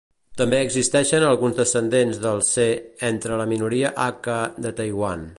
També existeixen alguns descendents dels She entre la minoria Hakka de Taiwan.